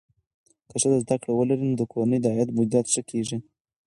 که ښځه زده کړه ولري، نو د کورنۍ د عاید مدیریت ښه کېږي.